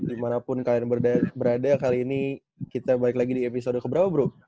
dimanapun kalian berada kali ini kita balik lagi di episode keberapa bro